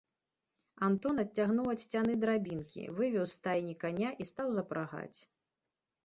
Антон адцягнуў ад сцяны драбінкі, вывеў з стайні каня і стаў запрагаць.